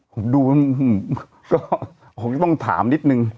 ผมดูก็ผมจะต้องถามนิดนึง